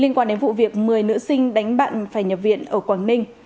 liên quan đến vụ việc một mươi nữ sinh đánh bạn phải nhập viện ở quảng ninh